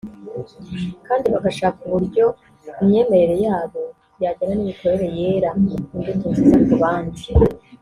kandi bagashaka uburyo imyemerere yabo yajyana n’imikorere yera imbuto nziza ku bandi